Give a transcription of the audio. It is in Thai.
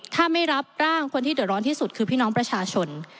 ถ้าไม่รับร่างคนที่เดือดร้อนที่สุดคือพี่น้องประชาชน